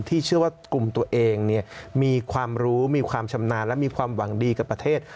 เชื่อว่ากลุ่มตัวเองมีความรู้มีความชำนาญและมีความหวังดีกับประเทศ